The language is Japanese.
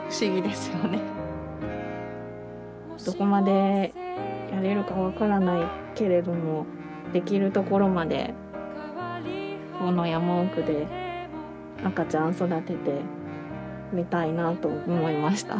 どこまでやれるか分からないけれどもできるところまでこの山奥で赤ちゃん育ててみたいなと思いました。